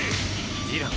ディラン。